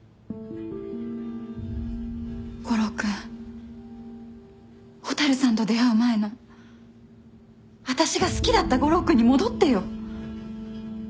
悟郎君蛍さんと出会う前の私が好きだった悟郎君に戻ってよ。